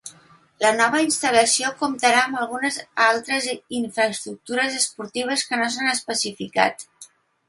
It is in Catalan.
La nova instal·lació comptarà amb algunes altres infraestructures esportives que no s’han especificat.